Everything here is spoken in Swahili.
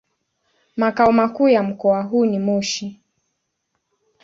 Makao makuu ya mkoa huu ni Moshi.